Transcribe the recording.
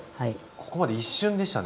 ここまで一瞬でしたね。